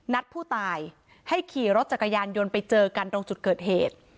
ผู้ตายให้ขี่รถจักรยานยนต์ไปเจอกันตรงจุดเกิดเหตุ